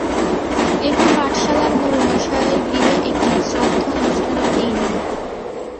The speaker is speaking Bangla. এরপর পাঠশালার গুরুমশায়ের গৃহে একটি শ্রাদ্ধ-অনুষ্ঠানের দিন এল।